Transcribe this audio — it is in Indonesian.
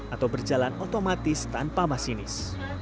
atau berjalan otomatis tanpa masinis